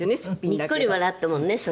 にっこり笑ったもんね